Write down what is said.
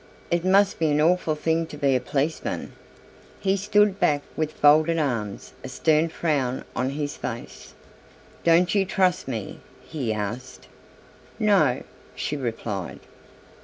"It must be an awful thing to be a policeman." He stood back with folded arms, a stern frown on his face. "Don't you trust me?" he asked. "No," she replied.